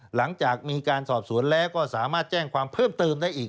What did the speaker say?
หลังจากมีการสอบสวนแล้วก็สามารถแจ้งความเพิ่มเติมได้อีก